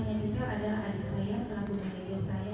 kita ingin detail adalah adik saya sebagai manajer saya